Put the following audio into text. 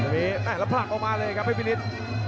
แล้วผลักออกมาเลยครับให้พี่นิด